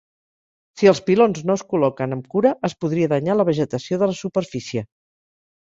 Si els pilons no es col·loquen amb cura, es podria danyar la vegetació de la superfície.